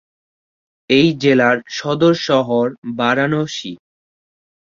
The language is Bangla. এই জেলার সদর শহর বারাণসী।